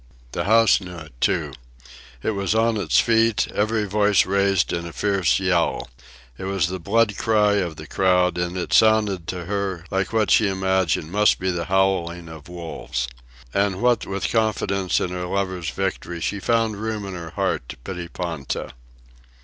The house knew it, too. It was on its feet, every voice raised in a fierce yell. It was the blood cry of the crowd, and it sounded to her like what she imagined must be the howling of wolves. And what with confidence in her lover's victory she found room in her heart to pity Ponta.